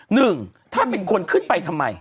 หนึ่งถ้าเป็นคนขึ้นไปทำไม